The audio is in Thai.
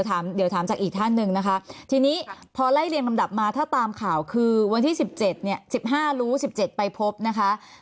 อ่าไม่เป็นไรเดี๋ยวถามจากอีกท่านหนึ่งนะคะทีนี้พอไล่เรียนกำดับมาถ้าตามข่าวคือวันที่สิบเจ็ดเนี่ยสิบห้ารู้สิบเจ็ดไปพบนะคะ